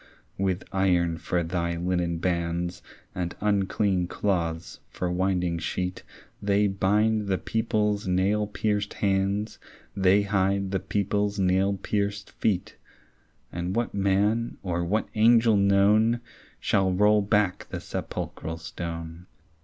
With iron for thy linen bands And unclean cloths for winding sheet They bind the people's nail pierced hands, They hide the people's nail pierced feet; And what man or what angel known Shall roll back the sepulchral stone?